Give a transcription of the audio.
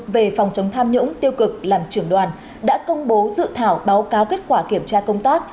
về phòng chống tham nhũng tiêu cực làm trưởng đoàn đã công bố dự thảo báo cáo kết quả kiểm tra công tác